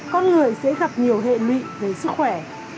con người sẽ gặp nhiều hệ lụy về sức khỏe